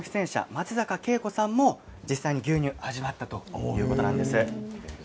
松坂慶子さんもこちらの建物で実際に牛乳を味わったということです。